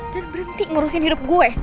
dan berhenti ngurusin hidup gue